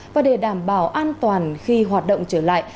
và để đảm bảo an toàn khi hoạt động trở lại